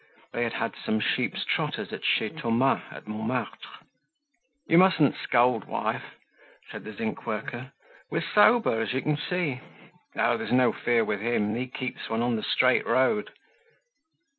They had had some sheep's trotters at Chez Thomas at Montmartre. "You mustn't scold, wife," said the zinc worker. "We're sober, as you can see. Oh! there's no fear with him; he keeps one on the straight road."